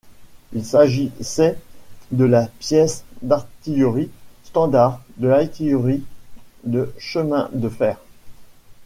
Il s'agissait de la pièce d'artillerie standard de l'artillerie de chemin de fer.